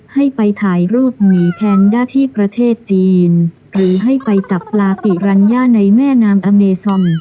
ให้ไปถ่ายรูปหมีแพนด้าที่ประเทศจีนหรือให้ไปจับปลาปิรัญญาในแม่น้ำอเมซอน